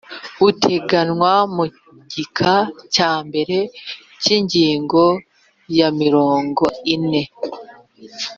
buteganywa mu gika cya mbere cy ingingo ya mirongo ine